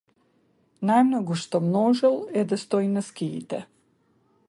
Најмногу што можел е да стои на скиите.